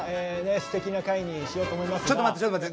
素敵な回にしようと思いますが。